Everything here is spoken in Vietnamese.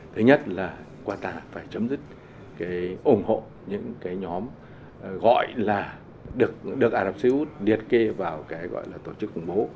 thứ nhất là qatar phải chấm dứt cái ủng hộ những cái nhóm gọi là được ả rập xê út liệt kê vào cái gọi là tổ chức khủng bố